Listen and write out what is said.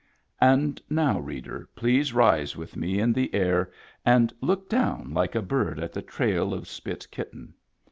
And now, reader, please rise with me in the air and look down like a bird at the trail of Spit Kitten.